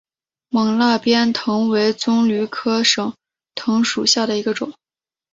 勐腊鞭藤为棕榈科省藤属下的一个种。